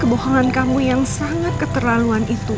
kebohongan kamu yang sangat keterlaluan itu